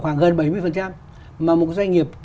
khoảng gần bảy mươi mà một doanh nghiệp